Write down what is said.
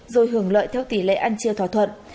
rồi hưởng lợi theo tỷ lệ ăn chia thỏa thuận